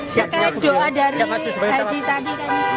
soal doa dari haji tadi